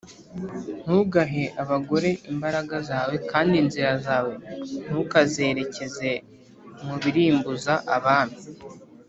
Ntugahe abagore imbaraga zawe kandi inzira zawe ntukazerekeze mu birimbuza abami